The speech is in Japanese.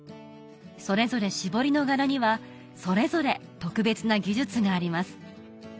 それぞれ絞りの柄にはそれぞれ特別な技術があります